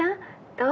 どう？